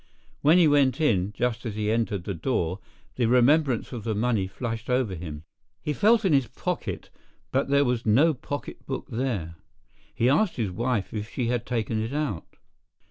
When he went in, just as he entered the door, the remembrance of the money flashed over him. He felt in his pocket, but there was no pocketbook there; he asked his wife if she had taken it out.